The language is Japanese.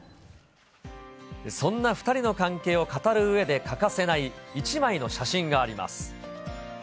そんな２人の関係を語るうえで欠かせない一枚の写真があります。